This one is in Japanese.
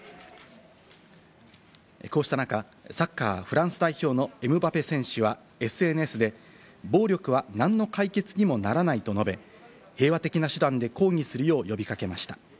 こうした中、サッカーフランス代表のエムバペ選手はＳＮＳで暴力は何の解決にもならないと述べ、平和的な手段で抗議するよう呼び掛けました。